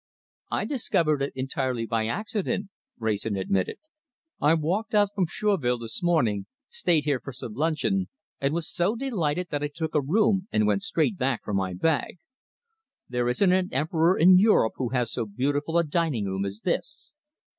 "I discovered it entirely by accident," Wrayson admitted. "I walked out from Chourville this morning, stayed here for some luncheon, and was so delighted that I took a room and went straight back for my bag. There isn't an emperor in Europe who has so beautiful a dining room as this!"